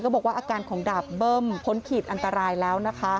บอกว่าอาการของดาบเบิ้มพ้นขีดอันตรายแล้วนะคะ